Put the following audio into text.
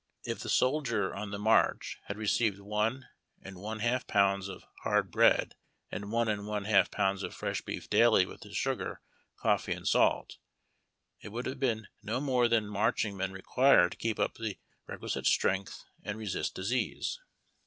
If the soldier on the march had received one and one half pounds of hard bread and one and one half pounds of fresh beef daily with his sugar, coffee, and salt, it would liave been no more than marching men require to keep up the re(|uisite strength and resist disease.